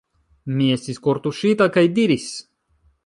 Mi estis kortuŝita kaj diris: